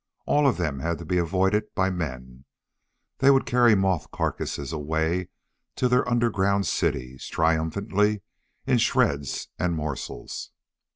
All of them had to be avoided by men. They would carry the moth carcass away to their underground cities, triumphantly, in shreds and morsels.